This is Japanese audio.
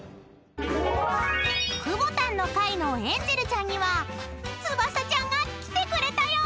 ［くぼたんの回のエンジェルちゃんには翼ちゃんが来てくれたよ！］